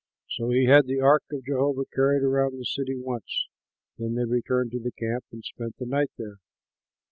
So he had the ark of Jehovah carried around the city once; then they returned to the camp and spent the night there.